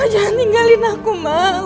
mak jangan tinggalin aku mak